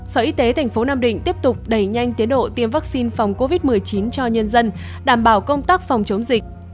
sở y tế tp nam định tiếp tục đẩy nhanh tiến độ tiêm vaccine phòng covid một mươi chín cho nhân dân đảm bảo công tác phòng chống dịch